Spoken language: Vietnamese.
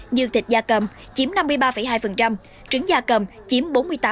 như thịt da cầm chiếm năm mươi ba hai trứng da cầm chiếm bốn mươi tám